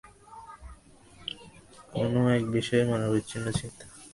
কোন এক বিষয়ে মনের অবিচ্ছিন্ন চিন্তা।